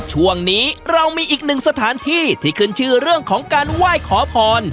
ช่วงนี้เรามีอีกหนึ่งสถานที่ที่ขึ้นชื่อเรื่องของการไหว้ขอพร